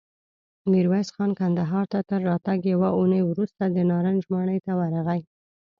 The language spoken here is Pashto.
ميرويس خان کندهار ته تر راتګ يوه اوونۍ وروسته د نارنج ماڼۍ ته ورغی.